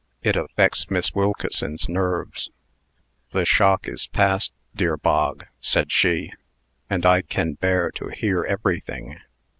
It affects Miss Wilkeson's nerves." "The shock is past, dear Bog," said she, "and I can bear to hear everything."